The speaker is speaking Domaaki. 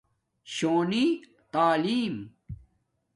شونی تعلم۔۔